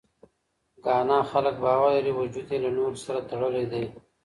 ګانا خلک باور لري، وجود یې له نورو سره تړلی دی.